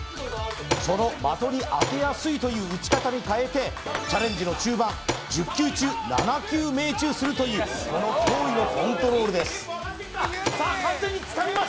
その的に当てやすいという打ち方に変えてチャレンジの中盤１０球中７球命中するというこの驚異のコントロールです